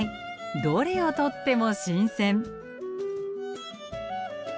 どれをとっても新鮮。